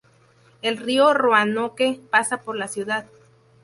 El río Roanoke pasa por la ciudad.